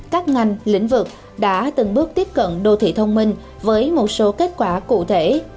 các ngành lĩnh vực đã từng bước tiếp cận đô thị thông minh với một số kết quả cụ thể